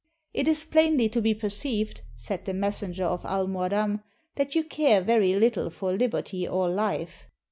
''It is plainly to be perceived," said the messenger of Almoadam, "that you care very little for liberty or life.